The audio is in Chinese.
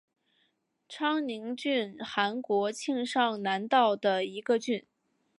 昌宁郡韩国庆尚南道的一个郡。